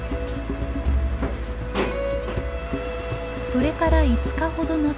それから５日ほど後。